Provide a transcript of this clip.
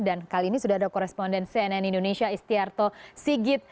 dan kali ini sudah ada koresponden cnn indonesia istiarto sigit